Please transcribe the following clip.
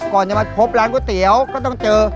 ก่อนจะมาพบร้านก๋วยเตี๋ยวก็ต้องเจอ